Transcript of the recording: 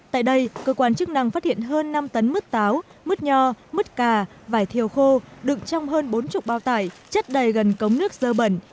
tại đây cơ quan chức năng phát hiện hơn năm tấn mứt táo mứt nho mứt cà vải thiều khô đựng trong hơn bốn mươi bao tải chất đầy gần cống nước dơ bẩn